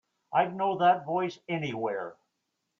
I'd know that voice anywhere.